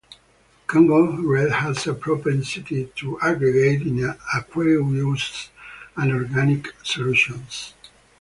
Congo red has a propensity to aggregate in aqueous and organic solutions.